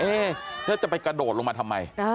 เอ๊ะเธอจะไปกระโดดลงมาทำไม